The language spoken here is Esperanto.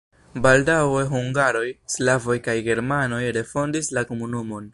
Baldaŭe hungaroj, slavoj kaj germanoj refondis la komunumon.